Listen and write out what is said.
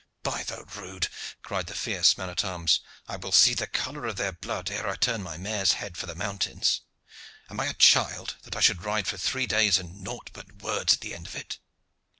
"By the rood!" cried the fierce man at arms, "I will see the color of their blood ere I turn my mare's head for the mountains. Am I a child, that I should ride for three days and nought but words at the end of it?"